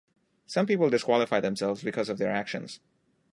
Some people disqualify themselves because of their actions.